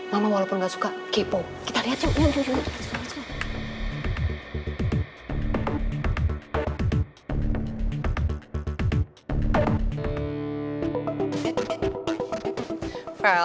mama walaupun gak suka kipo kita liat yuk yuk yuk yuk